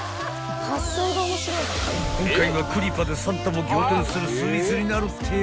［今回はクリパでサンタも仰天するスイーツになるってよ］